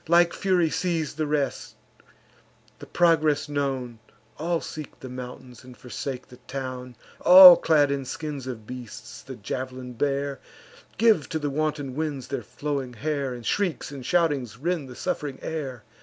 Like fury seiz'd the rest; the progress known, All seek the mountains, and forsake the town: All, clad in skins of beasts, the jav'lin bear, Give to the wanton winds their flowing hair, And shrieks and shoutings rend the suff'ring air.